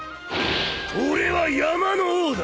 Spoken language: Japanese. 俺は山の王だ。